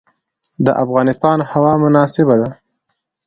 د افغانستان هوا مناسبه ده.